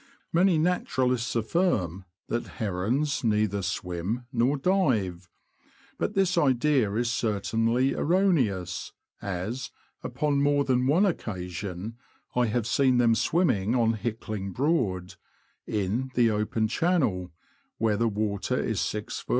Many naturalists affirm that herons neither swim nor dive ; but this idea is certainly erroneous, as, upon more than one occasion, I have seen them swimming 200 THE LAND OF THE BROADS. on Hickling Broad, in the open channel, where the water is 6ft.